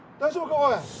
おい！」